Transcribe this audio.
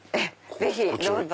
ぜひどうぞ。